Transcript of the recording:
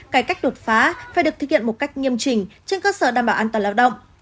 cải cách đột phá phải được thực hiện một cách nghiêm trình trên cơ sở đảm bảo an toàn lao động